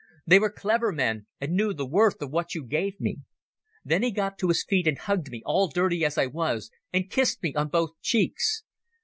They were clever men, and knew the worth of what you gave me. "Then he got to his feet and hugged me, all dirty as I was, and kissed me on both cheeks.